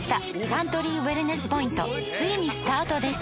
サントリーウエルネスポイントついにスタートです！